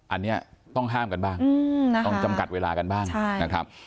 อันนี้ต้องห้ามกันบ้างต้องจำกัดเวลากันบ้างนะครับ